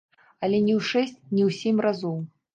Але не ў шэсць, не ў сем разоў.